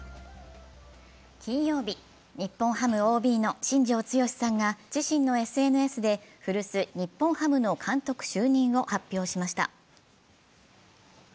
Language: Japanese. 金曜日、日本ハムＯＢの新庄剛志さんが自身のＳＮＳで古巣・日本ハムの監督就任を発表しました。